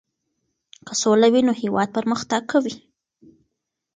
که سوله وي نو هېواد پرمختګ کوي.